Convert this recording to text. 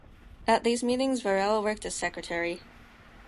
At these meetings Varela worked as secretary.